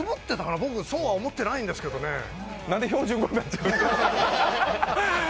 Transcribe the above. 僕、そうは思ってないんですけどね何でドヤ顔で標準語になっちゃう。